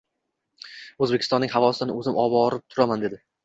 — O‘zbekistonnnig havosidan o‘zim oborib turaman, — dedi.